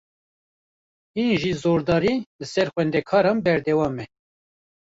Hîn jî zordarî, li ser xwendekaran berdewame